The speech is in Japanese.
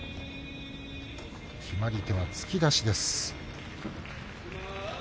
決まり手は突き出しです。